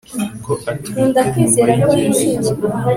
ko atwite? nyuma y'igihe gito